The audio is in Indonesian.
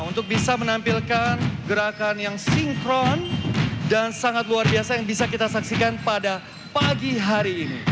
untuk bisa menampilkan gerakan yang sinkron dan sangat luar biasa yang bisa kita saksikan pada pagi hari ini